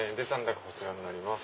こちらになります。